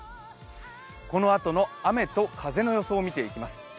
このあとの雨と風の予想を見ていきます。